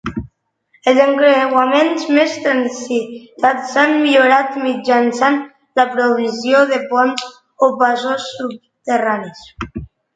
Els encreuaments més transitats s'han millorat mitjançant la provisió de ponts o passos subterranis.